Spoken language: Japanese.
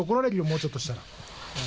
もうちょっとしたら。